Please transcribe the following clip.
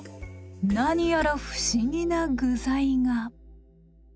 何やら不思議な具材が。